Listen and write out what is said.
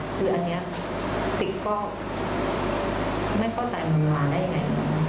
คืออันนี้ติก็ไม่เข้าใจมันมาได้ยังไง